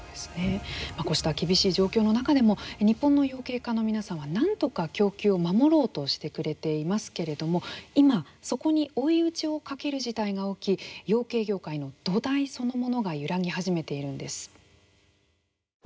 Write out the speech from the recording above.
こうした厳しい状況の中でも、日本の養鶏家の皆さんは何とか供給を守ろうとしてくれていますけれども、今、そこに追い打ちをかける事態が起き養鶏業界の土台そのものが揺らぎ始めているんです。